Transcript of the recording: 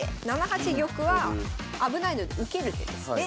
７八玉は危ないので受ける手ですね。